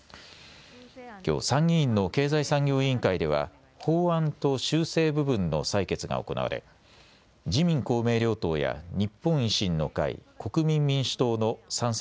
きょう参議院の経済産業委員会では法案と修正部分の採決が行われ、自民公明両党や日本維新の会、国民民主党の賛成